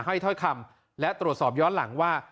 ถ้อยคำและตรวจสอบย้อนหลังว่า